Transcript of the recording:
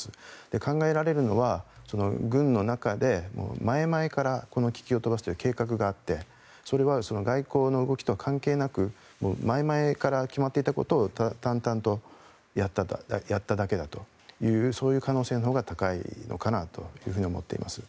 考えられるのは軍の中で前々からこの気球を飛ばすという計画があってそれは外交の動きと関係なく前々から決まっていたことを淡々とやっただけだというそういう可能性のほうが高いかと思っています。